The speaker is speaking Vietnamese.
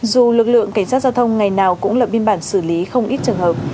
dù lực lượng cảnh sát giao thông ngày nào cũng lập biên bản xử lý không ít trường hợp